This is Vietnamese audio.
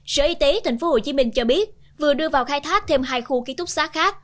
sở y tế tp hcm cho biết vừa đưa vào khai thác thêm hai khu ký túc xá khác